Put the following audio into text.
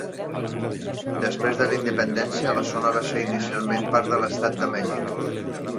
Després de la Independència, la zona va ser inicialment part de l'estat de Mèxic.